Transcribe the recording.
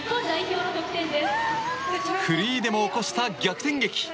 フリーでも起こした逆転劇。